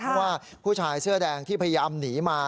เพราะว่าผู้ชายเสื้อแดงที่พยายามหนีมา